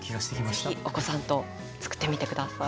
是非お子さんとつくってみて下さい。